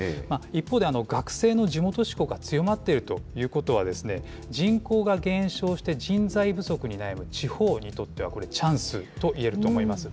一方で、学生の地元志向が強まっているということは、人口が減少して人材不足に悩む地方にとってはこれ、チャンスといえると思います。